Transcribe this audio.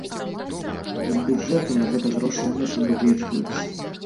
З бюджэту на гэта грошы не прадугледжваюцца.